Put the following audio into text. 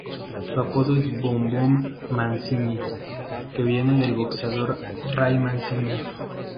Su apodo es "Boom Boom Mancini", que viene del boxeador Ray Mancini.